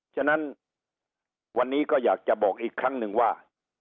ฉะนั้นวันนี้ก็อยากจะบอกอีกครั้งหนึ่งว่า